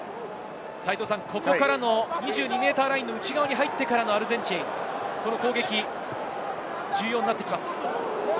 ここから２２ｍラインの内側に入ってからのアルゼンチンの攻撃、重要になってきます。